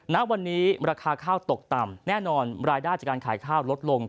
ณวันนี้ราคาข้าวตกต่ำแน่นอนรายได้จากการขายข้าวลดลง